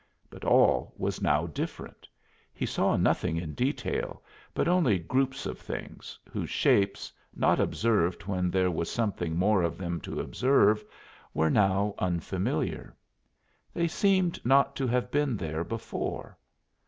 But all was now different; he saw nothing in detail, but only groups of things, whose shapes, not observed when there was something more of them to observe, were now unfamiliar. They seemed not to have been there before.